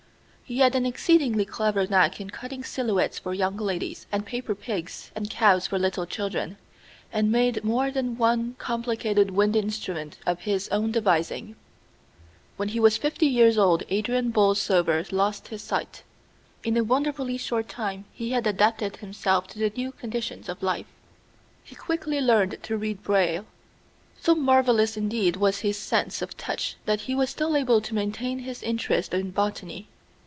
He had an exceedingly clever knack in cutting silhouettes for young ladies and paper pigs and cows for little children, and made more than one complicated wind instrument of his own devising. When he was fifty years old Adrian Borlsover lost his sight. In a wonderfully short time he had adapted himself to the new conditions of life. He quickly learned to read Braille. So marvelous indeed was his sense of touch that he was still able to maintain his interest in botany.